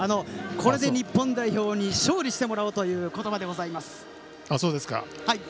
これで日本代表に勝利してもらおうという言葉です。